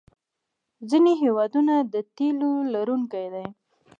ځینې هېوادونه د تیلو لرونکي دي.